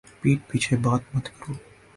پِیٹھ پیچھے بات مت کرو